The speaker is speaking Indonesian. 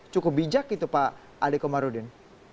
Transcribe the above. cukup bijak gitu pak ade komarudin